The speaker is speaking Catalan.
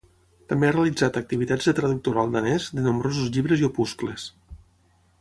També ha realitzat activitats de traductora al danès de nombrosos llibres i opuscles.